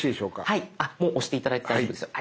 はいもう押して頂いて大丈夫ですよ。